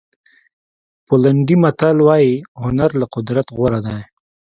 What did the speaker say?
پولنډي متل وایي هنر له قدرت غوره دی.